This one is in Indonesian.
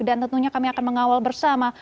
dan tentunya kami akan mengawal bersama